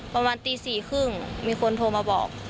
ประมาณตีสี่ครึ่งมีคนโทรมาบอก